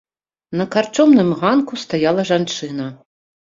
На карчомным ганку стаяла жанчына.